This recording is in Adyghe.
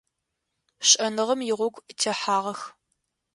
Шӏэныгъэм игъогу техьагъэх.